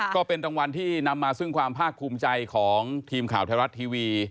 ก็เป็นรางวัลที่นำมาซึ่งความภาคภูมิใจของทีมข่าวไทยรัฐทีวี